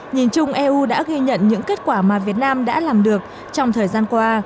nhìn chung eu đã ghi nhận những kết quả mà việt nam đã làm được trong thời gian qua